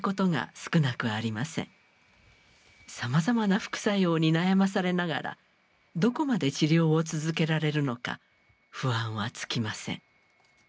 さまざまな副作用に悩まされながらどこまで治療を続けられるのか不安は尽きません。